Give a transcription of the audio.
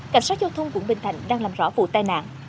cảnh sát giao thông quận bình thạnh đang làm rõ vụ tai nạn